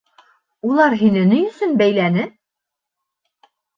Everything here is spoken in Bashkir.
— Улар һине ни өсөн бәйләне?